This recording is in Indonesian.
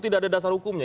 tidak ada dasar hukumnya